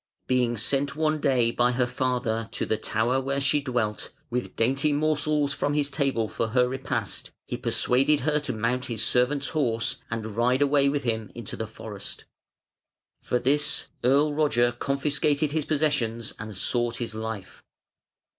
Being sent one day by her father to the tower where she dwelt, with dainty morsels from his table for her repast, he persuaded her to mount his servant's horse and ride away with him into the forest. For this Earl Roger confiscated his possessions and sought his life.